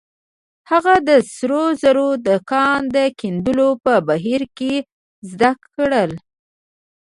هغه د سرو زرو د کان د کیندلو په بهير کې زده کړل.